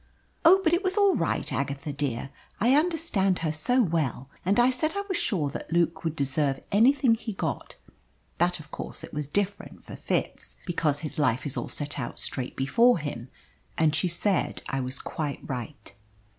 "Oh, but it was all right, Agatha dear. I understand her so well. And I said I was sure that Luke would deserve anything he got; that of course it was different for Fitz, because his life is all set out straight before him. And she said I was quite right."